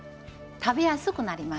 食べやすくなります。